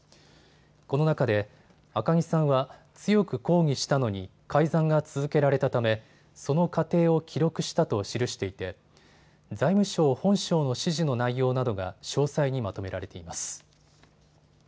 この中で赤木さんは強く抗議したのに改ざんが続けられたためその過程を記録したと記していて財務省本省の指示の内容などが詳細にまとめられています。